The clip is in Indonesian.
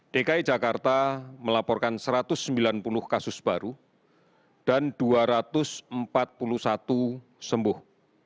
dki jakarta melaporkan satu ratus sembilan puluh kasus baru dan dua ratus empat puluh satu sembuh